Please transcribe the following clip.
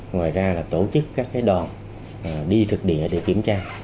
ngoài ra là tổ chức các đoàn đi thực địa để kiểm tra